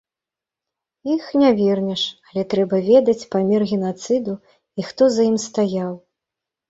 Іх не вернеш, але трэба ведаць памер генацыду і хто за ім стаяў.